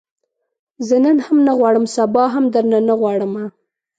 زه نن هم نه غواړم، سبا هم درنه نه غواړمه